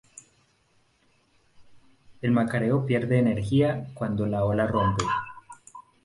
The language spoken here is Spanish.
El macareo pierde energía cuando la ola rompe.